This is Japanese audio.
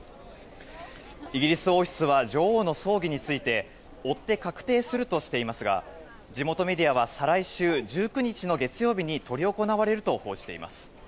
イギリス王室は女王の葬儀について追って確定するとしていますが地元メディアは再来週１９日の月曜日に執り行われると報じています。